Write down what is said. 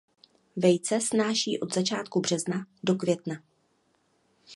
Vejce snáší od začátku března do května.